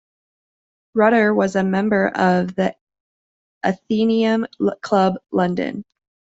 Rutter was a member of the Athenaeum Club, London.